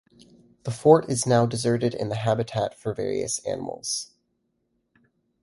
The fort is now deserted and the habitat for various animals.